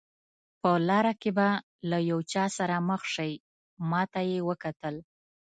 په لاره کې به له یو چا سره مخ شئ، ما ته یې وکتل.